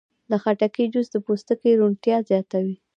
د خټکي جوس د پوستکي روڼتیا زیاتوي.